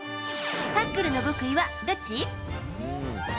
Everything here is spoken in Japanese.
タックルの極意はどっち？